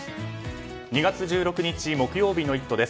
２月１６日木曜日の「イット！」です。